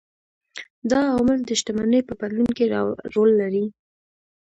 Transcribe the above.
دا عوامل د شتمنۍ په بدلون کې رول لري.